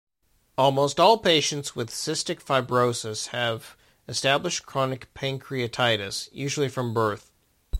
Almost all patients with cystic fibrosis have established chronic pancreatitis, usually from birth.